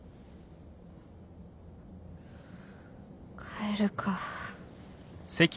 帰るか。